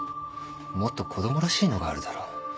もっと子供らしいのがあるだろ。